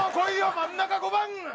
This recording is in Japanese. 真ん中５番。